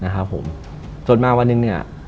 จนมาวันนึง